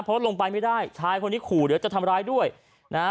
เพราะลงไปไม่ได้ชายคนนี้ขู่เดี๋ยวจะทำร้ายด้วยนะฮะ